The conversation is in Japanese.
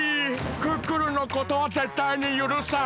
クックルンのことはぜったいにゆるさん！